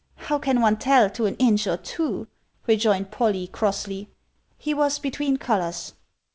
"How can one tell to an inch or two?" rejoined Polly, crossly. "He was between colours."